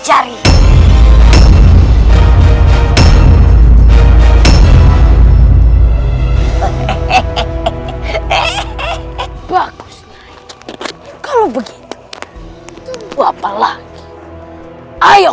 terpaksa kami merebutnya